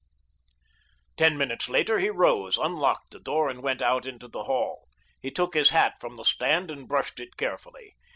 Ten minutes later he rose, unlocked the door and went out into the hall. He took his hat from the stand and brushed it carefully.